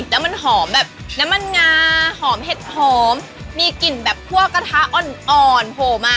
แล้วมันหอมแบบน้ำมันงาหอมเห็ดหอมมีกลิ่นแบบพวกกระทะอ่อนโผล่มา